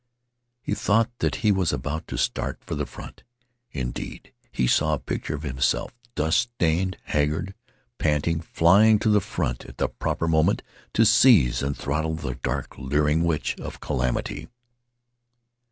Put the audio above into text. He thought that he was about to start for the front. Indeed, he saw a picture of himself, dust stained, haggard, panting, flying to the front at the proper moment to seize and throttle the dark, leering witch of calamity.